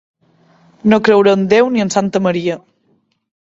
No creure en Déu ni en santa Maria.